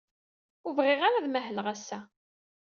Ur bɣiɣ ara ad mahleɣ ass-a.